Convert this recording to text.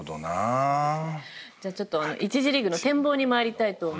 じゃあちょっと１次リーグの展望にまいりたいと思います。